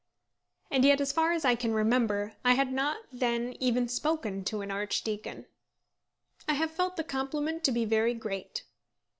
And yet, as far as I can remember, I had not then even spoken to an archdeacon. I have felt the compliment to be very great.